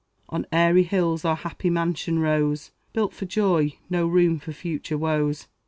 On airy hills our happy mansion rose, Built but for joy no room for future woes.